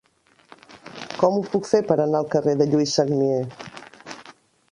Com ho puc fer per anar al carrer de Lluís Sagnier?